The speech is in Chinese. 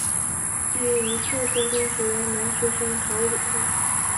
毕业于寿春中学男学生陶汝坤。